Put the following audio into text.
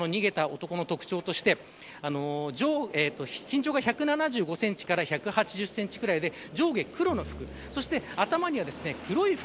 警察としては逃げた男の特徴として身長１７５センチから１８０センチくらいで上下黒の服。